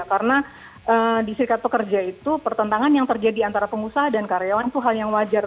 karena di serikat pekerja itu pertentangan yang terjadi antara pengusaha dan karyawan itu hal yang wajar